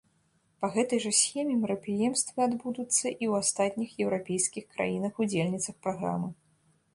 Па гэтай жа схеме мерапрыемствы адбудуцца і ў астатніх еўрапейскіх краінах-удзельніцах праграмы.